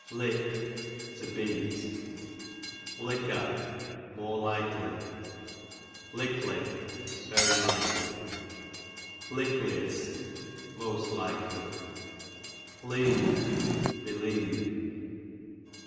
Lick, to beat, Licker, more likely, Lickly, very likely, Licklycst, most likely, Lieve, believe.